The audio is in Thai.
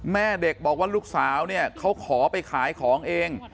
แม่เด็กบอกว่าลูกสาวเนี่ยเขาขอไปขายของเอง